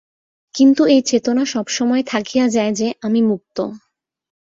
কিন্তু এই চেতনা সব সময়েই থাকিয়া যায় যে, আমি মুক্ত।